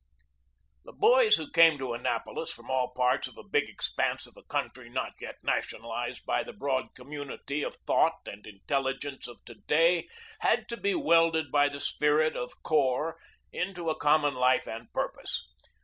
The boys who came to Annapolis from all parts of a big expanse of a country not yet nationalized by the broad community of thought and intelligence of to day had to be welded by the spirit of corps into a common life and purpose.